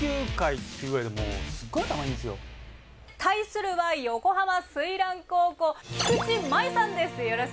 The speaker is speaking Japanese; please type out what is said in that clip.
対するは横浜翠嵐高校菊地真悠さんです。